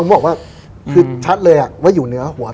มันดังขึ้นดังขึ้นด้วย